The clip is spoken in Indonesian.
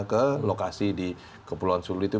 ke lokasi di kepulauan sulu itu